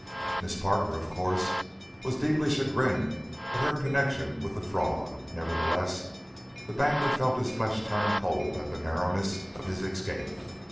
Miss Parker, of course, was deeply chagrined at her connection with the fraud; nevertheless, the banker felt his flesh turn cold at the narrowness of his escape.